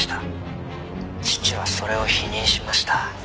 「父はそれを否認しました」